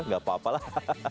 gak apa apa lah